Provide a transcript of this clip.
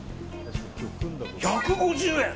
１５０円！